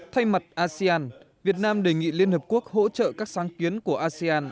thay mặt asean việt nam đề nghị liên hợp quốc hỗ trợ các sáng kiến của asean